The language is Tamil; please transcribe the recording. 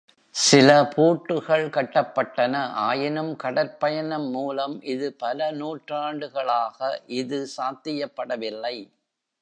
சில பூட்டுகள் கட்டப்பட்டன, ஆயினும் கடற்பயணம் மூலம் பல நூற்றாண்டுகளாக இது சாத்தியப்படவில்லை .